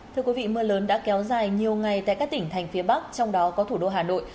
thưa quý vị mưa lớn đã kéo dài nhiều ngày tại các tỉnh thành phía bắc trong đó có thủ đô hà nội